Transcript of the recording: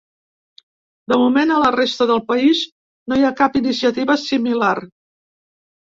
De moment, a la resta del país no hi ha cap iniciativa similar.